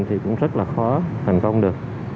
thì cũng rất là khó thành công được